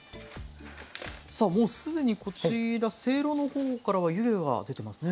さあもうすでにこちらせいろのほうからは湯気が出てますね。